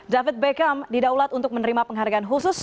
david beckham didaulat untuk menerima penghargaan khusus